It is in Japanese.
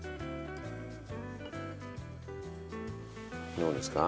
どうですか？